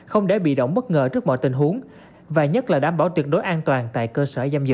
không để bị động bất ngờ trước mọi tình huống và nhất là đảm bảo tuyệt đối an toàn tại cơ sở giam giữ